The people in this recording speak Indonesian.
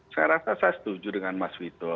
saya rasa saya setuju dengan mas vito